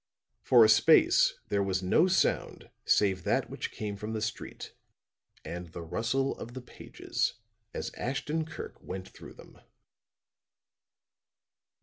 For a space there was no sound save that which came from the street and the rustle of the pages as Ashton Kirk went through them.